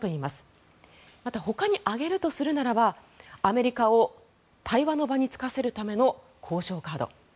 また、ほかに挙げるとするならばアメリカを対話の場につかせるための交渉カード。